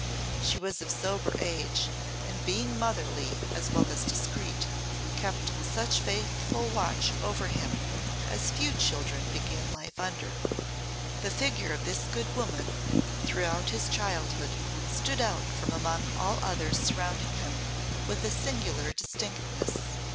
She was of sober age, and being motherly as well as discreet, kept such faithful watch over him as few children begin life under. The figure of this good woman throughout his childhood stood out from among all others surrounding him, with singular distinctness.